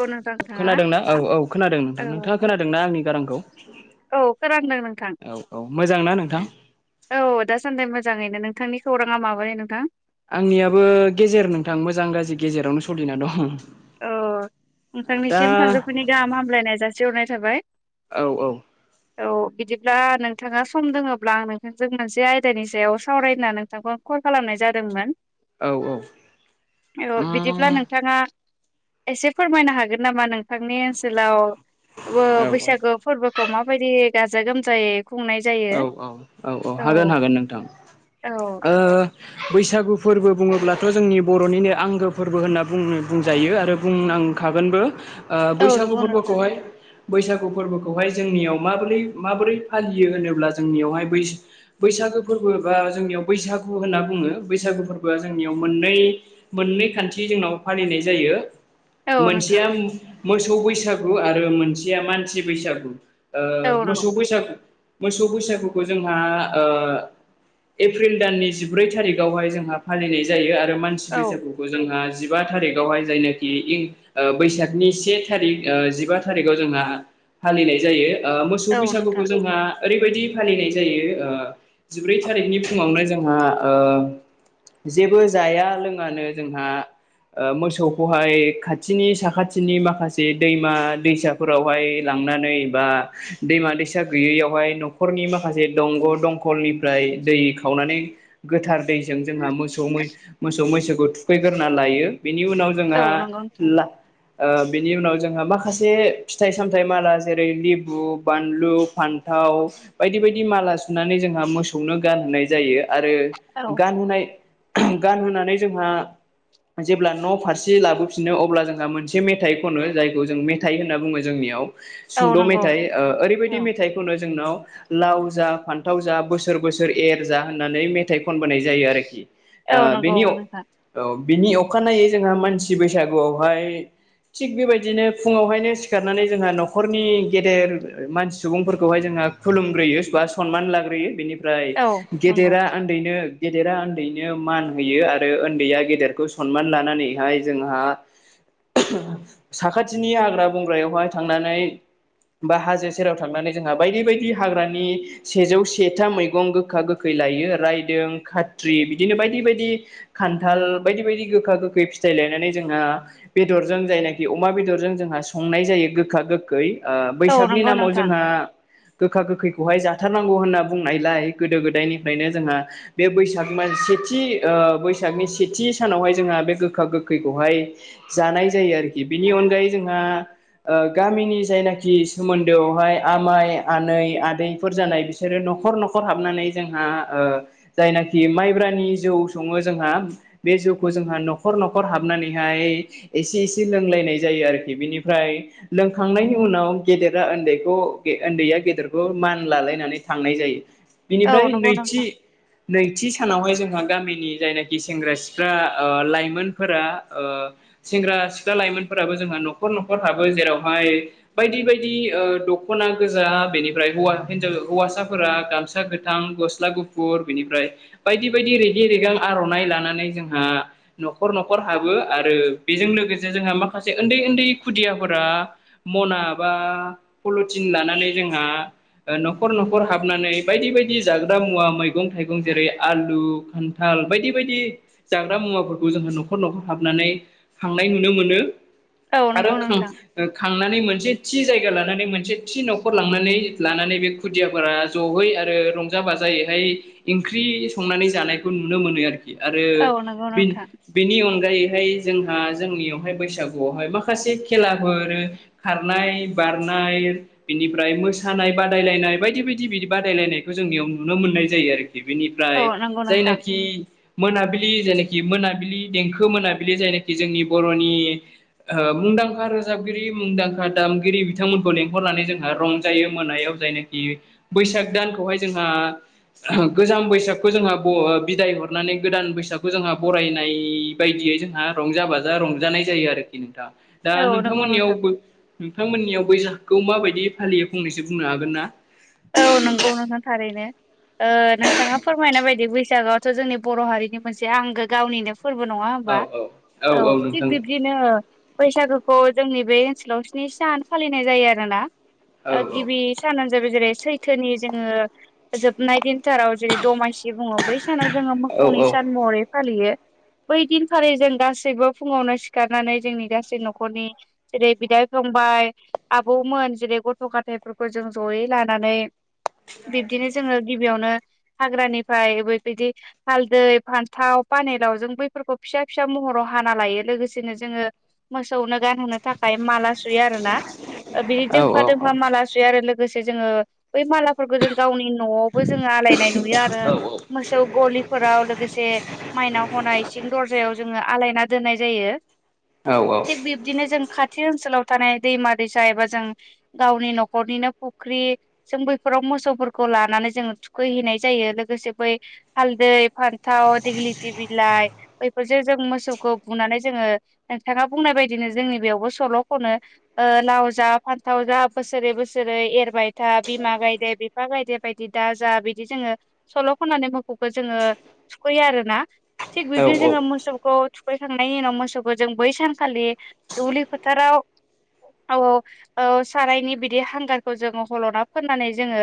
औ नोंथां नोंथाङा खोनादोंना औ औ खोनादों औ नोंथां नोंथाङा खोनादोंना आंनि गारांखौ? औ फोरानदों नोंथां औ औ मोजांना नोंथां औ दासान्दि मोजाङैनो नों नोंथांनि खौराङा माबारै नोंथां? आंनियाबो गेजेर नोंथां मोजां गाज्रि गेजेरावनो सोलिना दं। अ दा नोंथांनिसिम सानजौफुनि गाहाम हामलायनाय जासिहरनाय थाबाय औ औ । औ बिदिब्ला नोंथाङा सम दोङोब्ला आं नोंथांजों मोनसे आयदानि सायाव सावरायना नोंथांखौ कल खालामनाय जादोंमोन। औ उम औ बिदिब्ला नोंथाङा एसे फोरमायनो हागोन नामा नोंथांनि ओनसोलाव औ बैसागो फोरबोखौ माबायदि गाजा गोमजायै खुंनाय जायो औ औ औ औ हागोन हागोन नोंथां औ ओ बैसागु फोरबो बुङोब्लाथ' जोंनि बर'निनो आंगो फोरबो होनना बुंनो बुंजायो आरो बुंनां खागोनबो औ बैसागु नंगौ नोंथां फोरबोखौहाय बैसागु फोरबोखौहाय जोंनियाव माबोरै माबोरै फालियो होनो ब्ला जोंनियावहाय बैसा-बैसागु फोरबो बा जोंनियाव बैसागु होनना बुङो बैसागु फोरबोआ जों याव मोननै मोननै खान्थि जोंनाव फालिनाय जायो। औ नोंथां मोनसेयाम मोसौ बैसागु आरो मोनसेया मानसि बैसागु ओ औ नंगौ मोसौ बैसागु मोसौ बैसागुखौ जोंहा ओ एप्रिल दाननि जिब्रै थारिगआवहाय जोंहा फालिनाय जायो आरो मानसि औ बैसागुखौ जोंहा जिब बा थारिगआवहाय जायनाखि इं ओ बैसागनि से थारिग ओ जिबा थारिगाव जोंहा आ फालिनाय जायो ओ मोसौ औ नोंथां बैसागुखौ जोंहा ओरैबायदि फालिनाय जायो ओ जिब्रै थारिखनि फुङावनो जोंहा ओ जेबो जाया लोङानो जोंहा ओ मोसौखौहाय खाथिनि साखाथिनि माखासे दैमा दैसाफोरावहाय लां नानै बा दैमा दैसा गैयैयावहाय न'खरनि माखासे दंग दंखलनिफ्राय दै खावनानै गोथार दै जों जोंहा मोसौ मै मोसौ मैसोखौ थुखैगोरना लायो। बेनि उनाव औ जोंहा नंगौ नोंथां ला ओ बिनि उनाव जोंहा माखासे फिथाइ सामथाइ माला जेरै लेबु, बानलु, फान्थाव, बायदि बायदि माला सुनानै जोंहा मोसौनो गानहोनाय जायो आरो औ गानहोनाय गानहोनानै जोंहा जेब्ला न' फारसे लाबोफिनो अब्ला जोंहा मोनसे मेथाइ खनो जायखौ जों मेथाइ होनना बुङो जोंनियाव औ सुंद' नंगौ मेथाइ ओ औ ओरैबायदि मेथाइ खनो जोंनाव लाव जा फान्थाव जा बोसोर बोसोर एर जा होननानै मेथाइ खनबोनाय जायो आरोखि। औ आ नंगौ बेनि अ नोंथां ओ बिनि अखानायै जोंहा मानसि बैसागुआवहाय थिग बेबायदिनो फुङावहायनो सिखारनानै जोंहा न'खरनि गेदेर मानसि सुबुंफोरखौहाय जोंहा खुलुमग्रोयो बा सनमान लाग्रोयो बेनिफ्राय औ नंगौ गेदेरा ओन्दैनो गेदेरा ओन्दैनो मान होयो आरो ओन्दैया गेदेरखौ सनमान लानानैहाय जोंहा साखाथिनि हाग्रा बं बा हाजो सेराव थांनानै जोंहा बायदि बाय दि हाग्रानि सेजौ से था मैगं गोखा गोखै लायो रायदों, खाथ्रि बिदिनो बा बायदि बायदि खान्थाल बायदि बायदि गोखा गोखै फिथाइ लायनानै जोंहा बेदरजों जायनाखि अमा बेदरजों जोंहा संनाय जायो गोखा गोखै ओ औ बैसागनि नंगौ नामाव नोंथां जोंहा गोखा गोखैखौहाय जाथारनांगौ होनना बुंनायलाय गोदो गोदायनिफ्रायनो जोंहा बे बैसाग मानसे थि ओ बैसागनि सेथि सानावहाय जोंहा बे गोखा गोखैखौहाय जानाय जायो आरोखि। बिनि अनगायै जोंहा ओ गामिनि जायनाखि सोमोन्दोआवहाय आमाइ आनै आदैफोर जानाय बिसोरो न'खर न'खर हाबनानै जोंहा ओ जायनाखि माइब्रा नि जौ सङो जोंहा बे जौखौ जोंहा न'खर न'खर हाबनानैहाय एसे एसे लोंलायनाय जायो आरोखि बिनिफ्राय लोंखांनायनि उनाव गेदेरा ओन्दैखौ गे ओन्दैया गेदेरखौ मान लालायनानै थांनाय जायो। औ बिनिफ्राय नंगौ नैथि नोंथां नैथि सानावहाय जोंहा गामिनि जायनाखि सेंग्रा सिख्ला ओ लाइमोनफोरा ओ सेंग्रा सिख्ला लाइमोनफोराबो जोंहा न'खर न'खर हाबो जेरावहाय बायदि बायदि ओ दख'ना ‌ गोजा बेनिफ्राय हौवा हिनजाव हौवासाफोरा गामसा गोथां गस्ला गुफुर बिनिफ्राय बायदि बायदि रेगे रेगां आर'नाइ लानानै जोंहा न'खर न'खर हाबो आरो बेजों लो लोगोसे जोंहा माखासे ओन्दै ओन्दै खुदियाफोरा मना बा फलथि थिन लानानै जोंहा ओ न'खर न'खर हाबनानै बायदि बायदि जाग्रा मुवा मैगं थाइगं जेरै आलु खान्थाल बायदि बायदि जाग्रा मुवाफोरखौ जोंहा न'खर न'खर हाबनानै खांनाय नुनो मोनो औ आरो नंगौ खां नोंथां ओ खांनानै मोनसे थि जायगा लानानै मोनसे थि न'खर लांनानै लानानै बे खुदियाफोरा जहै आरो रंजा बाजायैहाय इंख्रि इ संनानै जानायखौ नुनो मोनो आरोखि आरो औ नंगौ बेन नोंथां बेनि अनगायै हाय जोंहा जोंनियावहाय बैसागुआवहाय माखासे खेलाफोर खारनाय बारनाय जायो। बिनिफ्राय मोसानाय बादायलायनाय बायदि बायदि बिदि बादायलायनायखौ जोंनियाव नुनो मोननाय जायो आरो। बिनिफ्राय औ नंगौ नोंथां जायनाखि मोनाबिलि जेने खि मोनाबिलि देंखो मोनाबिलि जायनाखि जोंनि बर'नि मुंदांखा रोजाबगिरि मुंदांखा दामगिरि बिथांमोनखौ लेंहरनानै जों रंजायो मोनायाव जायनाखि बैसाग दानखौहाय जोंहा गोजाम बैसाग खौ जोंहा बिदाय हरनानै गोदान बैसागुखौ जोंहा बरायनाय बायदियै जोंहा रंजा बाजा रंजानाय जायो आरोखि नोंथाङा दा औ नंगौ नोंथां नोंथांमोननियाव बैसागखौ माबायदि हालियो फंनैसो बुंनो हागोन ना। औ नंगौ नोंना थारैनो। नोंथाङा फोरमायना बायदि बैसागोआवथ' जोंनि बर' हारिनि मोनसे आंगो गावनिनो फोरबो नङा औ हबा औ औ थिक नोंथां बिब्दिनो बैसागोखौ जोंनि बे ओनसोलाव स्नि सान फालिनाय जायो आरोना औ गिबि सानानो जाबाय जेरै सैथोनि जोङो जोबनाय दिन फथाराव जेरै दमासि बुङ बै सानाव जोङो औ मोसौनि औ सान महरै फालियो। बै दिनखाारिलि जों गासैबो फुङावनो सिखारनानै जोंनि गासै न'खरनि जेरै बिदा बि फंबाय आबौमोन जेरै गथ' गथायफोरखौ जों जयै लानानै बिब्दिनो जोङो गिबियावनो हाग्रानिफ्राय ओैबायदि हालदै फान्थाव पानेलाव जों बैफोरखौ फिसा फिसा महराव हाना लायो लोगोसेनो जोङो मोसौनो गानहोनो थाखाय माला सुयो आरो ना। बिदि औ जोंफा औ जोंफा माला सुयो आरो लोगोसे जोङो बै मालाफोरखौ जों गावनि न'आवबो जोङो आलायनाय नुयो आरो औ मोसौ गलिफोराव लोगोसे माइनाव हनाय इसिं दरजायाव जोङो आलायना दोननाय जायो। थिग बिब्दिनो जों खा खाथि ओनसोलाव थानाय दैमा दैसा एबा जों गावनि न'खरनिनो फुख्रि जों बैफोराव मोसौफोरखौ लानानै जोङो थुखैहैनाय जायो लोगोसे बै हालदै फथ अ दगलिद बिल बफोरजों जों मोसौखौ बुनानै जोङो नोंथाङा बुंनाय बायदिनो जोंनि बेयावबो सल' खनो। लाव जा फान्थाव जा बोसोरै बोसोरै एरबाय। था बिमा गायदे बिफा गायदे बायदि दाजा बिदि जोङो सल' खननानै मोसौखौ जोङो थुखैयो आरो ना थिग बिदिनो जोङो मोसौखौ खैखांनायनि उनाव मोसौखौ जों बै सानखालि दुब्लि फोथाराव। औ औ औ साराइनि बिदि हांगारखौ जोंङो सल'ना फोननानै जोङो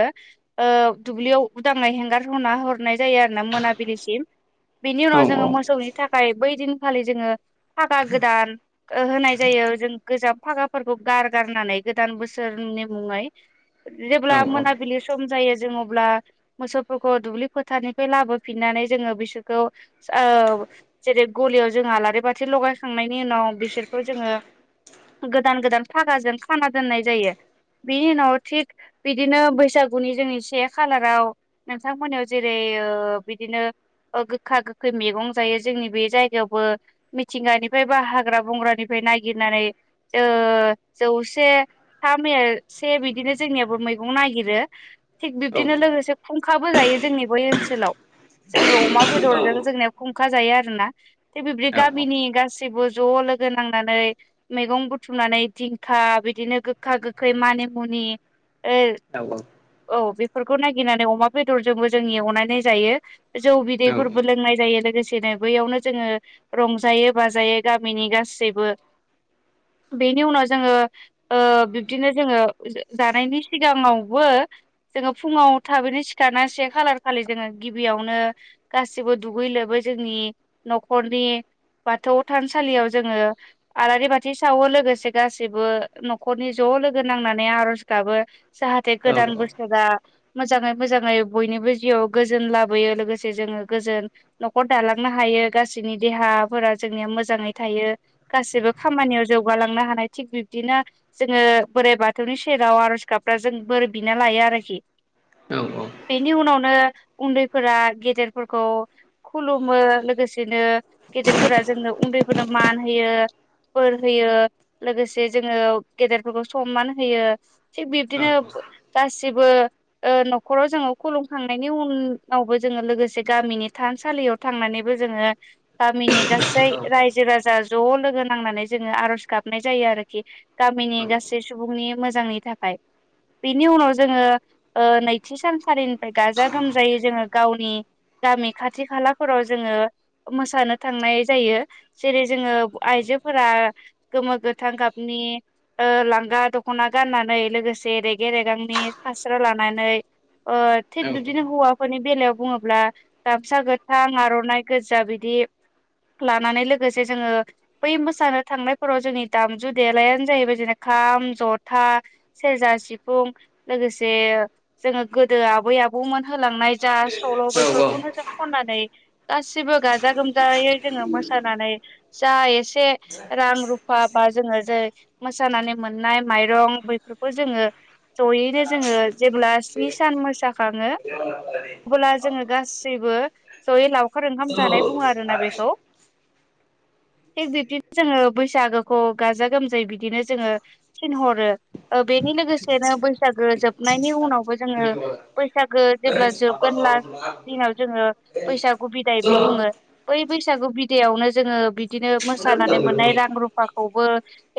दुब्लियाव उदांनाय हेंगार होनना हरनाय जायो आरो ना मोनाबि सिम। बेनि उनाव जोङो मोसौनि थाखाय बै दिनखालि जोङो थाखा गोदान होनाय जायो। जों गोजाम फागाफोरखौ गार गारनानै गोदान बोसोरनि मुङै औ जेब्ला मोनाबिलि सम जायो जों अब्ला मोसौफोरखौ दुब्लि फोथारानिफ्राय लाबोफिननाय जोङो बिसोरखौ जेरै गलियाव जों आलारि बाथि लायखांनायनि उनाव बिसोरखौ जोङो गोदान गोदान फागाजों खाना दोननाय जायो बिनि उनाव थिग बिदिनो बैसागुनि जोंनि से खालाराव नोंथांमोनाव जेरै बिदिनो गोखा गोखै मैगं जायो जोंनि बे जायगायावबो मिथिंगानिफ्राय बा हाग्रा बंग्रानिफ्राय नागिरनानै ओ जौसेथा मे से बिदिनो जोंनियाबो मैगं ननायागिरो थिग औ बिब्दिनो लोगोसे खुंखाबो गायो जोंनि बै ओनसोलाव जोङो अमा औ बेदरजों जोंनिया खुंखा जायो आरोना थिग बिबदि गामिनि गासैबो गासैबो ज' लोगो नांनानै मैगं बुथुमनानै दिंखा बिदिनो गोखा गोखै मानि मनिमुनि औ औ। औ बेफोरखौ नागिरनानै अमा बेदरजोंबो जों एवनायनाय जायो जौ बिदैफोरबो लोंनाय जायो। लोगोसेनो बैयावनो जोङो रंजायो बाजायो गामिनि गासैबो बेनि उनाव जोङो बिब्दिनो जोङो जानायनि सिगाङावबो जोङो फुङाव थाबैनो सिखारास खालार खालि जोङो गिबियावनो गासिबो दुगै लोबै जोंनि न'खरनि बाथौ थानसालियाव जोङो आलारि बाथि सावो लोगोसे गासैबो न'खरनि ज' ज' लोगो नांनानै आर'ज गाबो जाहाथे गोदान बोसोरा मोजाङै मोजाङै बयनिबो जिउआव गोजोन लाबोयो लोगोसे जोङो गोजोन न'खर दालांनो हायो गासैनि देहाफोरा जोंनिया मोजाङै थायो गासिबो खामानियाव जौगालांनो हानाय थि बिब्दिनो जोङो बोराइ बाथौनि सेराव आरज गाबफ्रा जों बोर बिना लायो आरोखि। औ औ। बेनि उनावनो उन्दैफोरा गेदेरफोरखौ खुलुमो लोगोसेनो गेदेरफोरा जोंनो उन्दैफोरनो मान होयो फोर होयो लोगोसे जोङो गेदेरफोरखौ समान होयो थिग बिब्दिनो गासिबो न'खराव जोङो खुलुमखांनायनि उनावबो जोङो लोगोसे गामिनि थानसालियाव थांनानै जोङो गामिनि गासै रायजो राजा ज' लोगो नांनानै जोङो आर'ज गाबनाय जायो आरोखि गामिनि गासै सुबुंनि मोजां मोजांनि थाखाय। बिनि उनाव जोङो नैथि सानसालिनिफ्राय गाजा गोमजायै जोङो गावनि गामि खाथि खालाफोराव जोङो मोसानो थांनाय जायो जेरै जोङो आइजोफोरा गोमो गोथां गाबनि लांगा दखना गाननानै लोगोसे रेगे रेगांनि फास्रा लानानै ओ थिक बिदिनो हौवाफोरनि बेलायाव बुङोब्ला गामसा गोथां आर'नाइ गोजा बिदि लानानै लोगोसे जोङो बै मोसानो थांनायफोराव जोंनि दामजु देलायानो जाहैबाय जेन खाम जथ था सेरजा सिफुं लोगोसे जोङो गोदो आबै आबौमोन होलांनाय जा सल' बेफोरखौनो जों खननानै गासिबो गाजा गोमजायै जोङो मोसानानै जा एसे रां रुफा जोङो जे मोसानानै मोननाय माइरं बैफोरखौ जोङो जयैनो जोङो जेब्ला स्नि सान मोसााखङो अब्ला जोङो गासैबो जयै लावखार ओंखाम जानाय बुङो आरोोना बेखौ । हेल' । थिग बिब्दिनो जोङो बैसागोखौ गाजा गोमजायै बिदिनो जोङो थिनहरो बेनि लोगोसेनो बैसागो जोबनायनि उनावबो जोङो औ बैसागो जेब्ला जोबगोन लास्ट दिनाव जोङो बैसागु बिदायबो चलो बुङो। बै बैसागु बिदआवनो जोङो बिदिनो मोसानानै मोननाय रां रुफाखौबो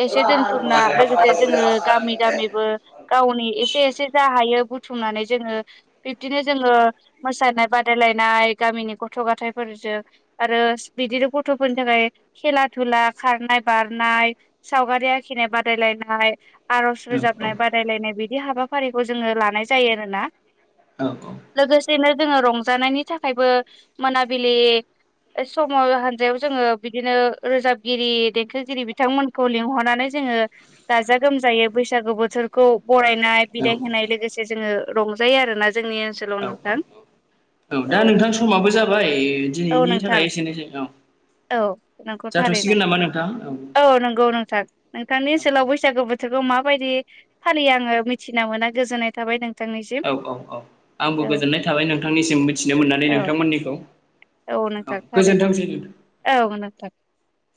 एसे दोन बुथुमना लोगोसे जोङो गामि गामिबो गावनिसे एसे जा हायो बुथुमनानै जोङो बिब्दिनो जोङो मोसानाय ब बादायलायनाय गामिनि गथ' गथायाइफोरजों आरो बिदिनो गथ'फोरनि थाखाय खेला धुला खारनाय बारनाय सावगारि आखिनाय बादायलायनाय आर'ज रोजाबनाय बादायलायनाय बिदि हाबाफारिखौ जोङो लानाय जायो आरोना। लोगोसेनो जोङो रंजानायनि थाखायबो मोनाबिलि सम' हान्जायाव जोङो बिदिनो रोजाबगिरि देंखोगिरि बिथांमोनखौ लिंहरनानै जों [unintelligible] गाजा गोमजायै बैसागो बोथोरखौ बरायनाय बिदाय होनाय लोगोसे जोङो रंजायो आरोना जोङो। जोंनि ओनसोलाव नोंथां। औ दा नोंथां समाबो जाबाय औ दिनैनि नोंथां थाखाय एसेनोसै औ‌ औ नोंखौ थारैनो औ नंगौ नोंथां नोंथांनि औ ओनसोलाव बैसागु बोथोरखौ माबायदि फालियो आङो मिथिना मोना गोजोननाय थाबाय नों । औ औ औ आंबो गोजोननाय थाबाय नोंथांनिसिम मिथिनो मोननानै औ नोंथांमोननिखौ। औ नोंथां थारैनो गोजोनथोंसै न। [unintelligible]